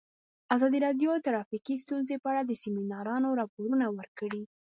ازادي راډیو د ټرافیکي ستونزې په اړه د سیمینارونو راپورونه ورکړي.